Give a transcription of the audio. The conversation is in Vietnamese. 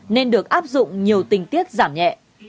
nên được áp dụng nhiều tình tiết giảm nhẹ